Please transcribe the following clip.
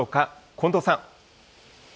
近藤さん。